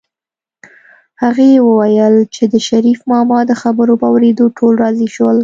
هغې وویل چې د شريف ماما د خبرو په اورېدو ټول راضي شول